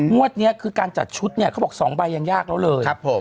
นี้คือการจัดชุดเนี่ยเขาบอก๒ใบยังยากแล้วเลยครับผม